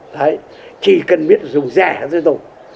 đấy chỉ cần biết dùng rẻ thôi thôi